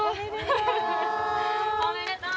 おめでとう！